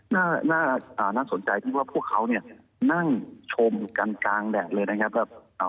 น่าสนใจที่ก็ความคิดว่าพวกเข้าเนี่ยนั่งชมการ์กรางแดดเลยนะครับ